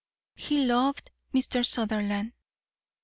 He loved Mr. Sutherland.